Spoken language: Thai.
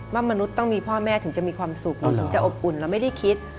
มนุษย์ต้องมีพ่อแม่ถึงจะมีความสุขเราถึงจะอบอุ่นเราไม่ได้คิด